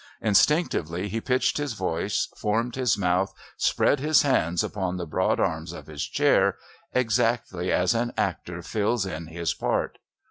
Instinctively he pitched his voice, formed his mouth, spread his hands upon the broad arms of his chair exactly as an actor fills in his part.